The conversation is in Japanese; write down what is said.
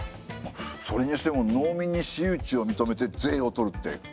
それにしても農民に私有地を認めて税をとるって国も考えましたね。